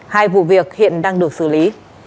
hai vụ việc hiện đang được xử lý